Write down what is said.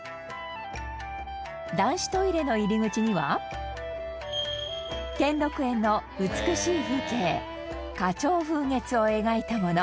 男子トイレの入り口には兼六園の美しい風景花鳥風月を描いたもの